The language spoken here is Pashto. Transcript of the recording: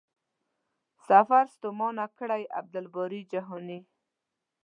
سفر ستومانه کړی.عبدالباري جهاني